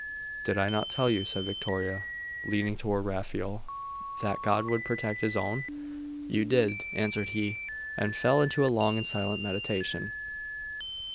'Did I not tell you,' said Victoria, leaning toward Raphael, 'that God would protect His own?' 'You did,' answered he; and fell into a long and silent meditation.